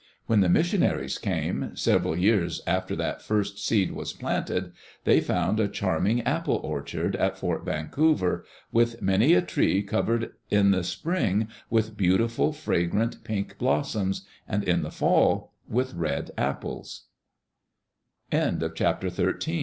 When the missionaries came, several years after that first seed was planted, they found a charming apple orchard at Fort Vancouver, with many, a tree covered in the spring with beautiful, fragrant, pink blossoms, and